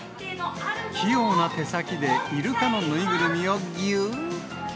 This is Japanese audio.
器用な手先でイルカの縫いぐるみをぎゅー。